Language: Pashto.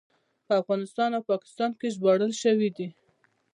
په افغانستان او پاکستان کې ژباړل شوی دی.